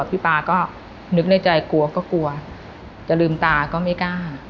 พี่ป๊าก็นึกในใจกลัวก็กลัวจะลืมตาก็ไม่กล้า